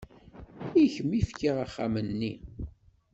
I kemm i fkiɣ axxam-nni.